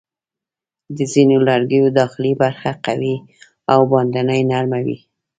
د ځینو لرګیو داخلي برخه قوي او باندنۍ نرمه وي.